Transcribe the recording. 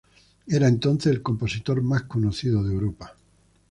Era entonces el compositor más conocido de Europa.